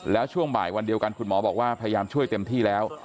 แล้วช่วงบ่ายวันเดียวกันคุณหมอบอกว่าพยายามช่วยเต็มที่แล้ว